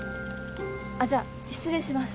じゃあ失礼します